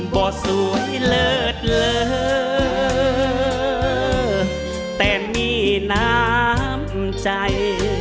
บ่สวยเลิศเลอแต่มีน้ำใจ